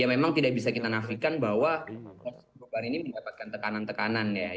ya memang tidak bisa kita nafikan bahwa proses perubahan ini mendapatkan tekanan tekanan ya